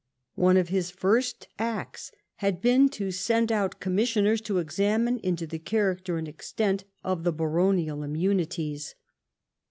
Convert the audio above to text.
One of his first acts had been to send out commissioners to examine into the character and extent of the baronial immunities.